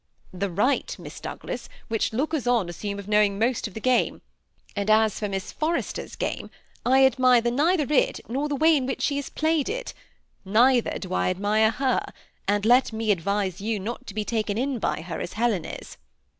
^ That right, Miss Douglas, which lookers on assume of knowing most of the game ; and as for Miss Forres ter's game, I neither Admire it, nor the way in which she has played it Neither do I admire her, and let me advise you not to be taken in by her, as Helen is."